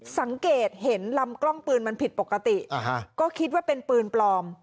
สังเกตเห็นลำกล้องปืนมันผิดปกติก็คิดว่าเป็นปืนปลอม